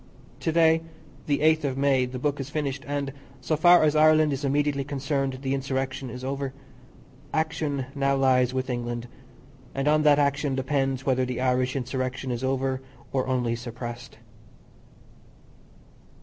To day, the 8th of May, the book is finished, and, so far as Ireland is immediately concerned, the insurrection is over. Action now lies with England, and on that action depends whether the Irish Insurrection is over or only suppressed.